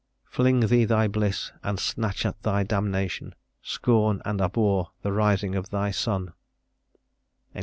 Fling Thee Thy bliss, and snatch at Thy damnation, Scorn and abhor the rising of Thy sun.